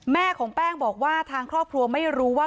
แม่ของแป้งบอกว่าทางครอบครัวไม่รู้ว่า